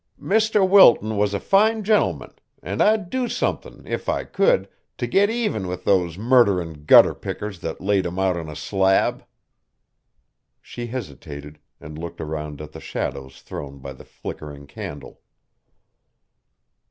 Mr. Wilton was a fine gentleman, an' I'd do something, if I could, to git even with those murderin' gutter pickers that laid him out on a slab." She hesitated, and looked around at the shadows thrown by the flickering candle.